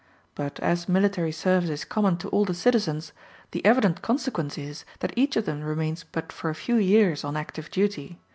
But as military service is common to all the citizens, the evident consequence is that each of them remains but for a few years on active duty.